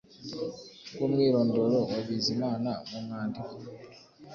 rwumwirondoro wa Bizimana mumwandiko